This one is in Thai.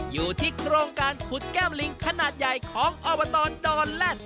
อยู่ที่โครงการขุดแก้มลิงขนาดใหญ่ของอบตดอนแล่น